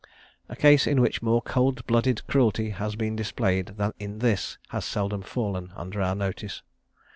A case in which more cold blooded cruelty has been displayed than in this, has seldom fallen under our notice.